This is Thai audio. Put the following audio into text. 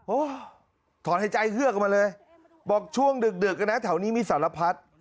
โอ้โหถอนหายใจเฮือกออกมาเลยบอกช่วงดึกนะแถวนี้มีสารพัด